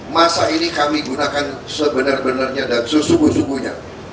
masa ini kami gunakan sebenar benarnya dan sesungguh sungguhnya